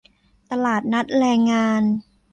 ตลาดนัดแรงงาน